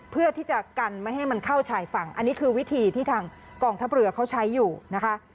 เพื่อที่จะกันไม่ให้มันเข้าชายฝั่งอันนี้คือวิธีที่ทางกองทัพเรือเขาใช้อยู่นะคะ